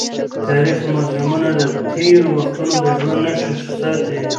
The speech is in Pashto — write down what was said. تاریخي موزیمونه د تېرو وختونو د ژوند نښې ساتي.